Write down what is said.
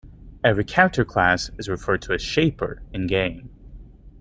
Every character class is referred to as "Shaper" in-game.